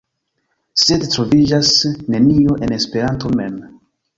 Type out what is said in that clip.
Sed troviĝas nenio en Esperanto mem.